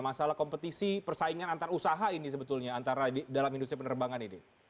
masalah kompetisi persaingan antar usaha ini sebetulnya antara dalam industri penerbangan ini